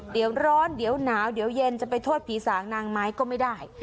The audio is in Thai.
เดี๋ยวร้อนเดี๋ยวหนาวเดี๋ยวเย็นจะไปโทษผีสางนางไม้ก็ไม่ได้